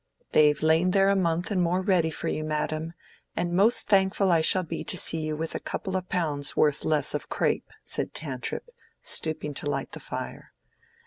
"They've lain there a month and more ready for you, madam, and most thankful I shall be to see you with a couple o' pounds' worth less of crape," said Tantripp, stooping to light the fire.